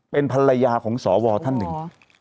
เป็นภรรยาของสวท่านหนึ่ง